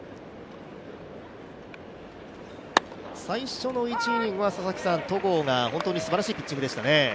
最初の１イニングは戸郷がすばらしいピッチングでしたね。